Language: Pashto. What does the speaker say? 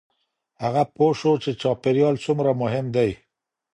هغه پوه شو چې چاپېریال څومره مهم دی.